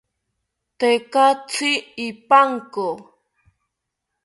Tekatzi ipanko